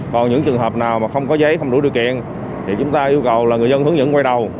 còn những trường hợp nào mà không có giấy không đủ điều kiện thì chúng ta yêu cầu là người dân hướng dẫn quay đầu